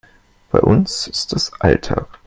Bei uns ist das Alltag.